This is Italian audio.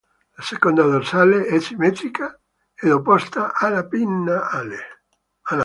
La seconda dorsale è simmetrica ed opposta alla pinna anale.